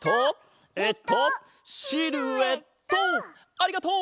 ありがとう！